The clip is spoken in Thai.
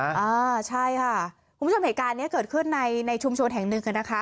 อ่าใช่ค่ะคุณผู้ชมเหตุการณ์นี้เกิดขึ้นในในชุมชนแห่งหนึ่งอ่ะนะคะ